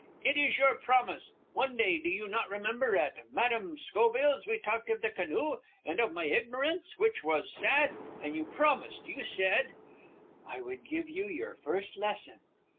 It is your promise. One day, do you not remember, at Madame Schoville's, we talked of the canoe, and of my ignorance, which was sad, and you promised, you said " "I would give you your first lesson?"